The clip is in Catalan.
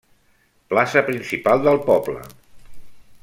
Plaça principal del poble.